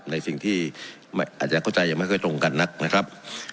ในสิ่งที่อาจจะเข้าใจยังไม่ค่อยตรงกันนักนะครับ